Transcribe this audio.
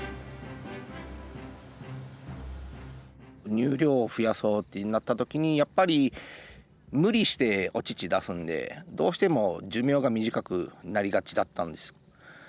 乳量を増やそうってなった時にやっぱり無理してお乳出すんでどうしても寿命が短くなりがちだったんです。